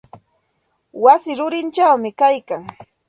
Wasi rurichawmi kaylkan.